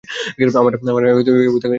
আমার এই অবস্থাকে কীভাবে ব্যাখ্যা করব আমি?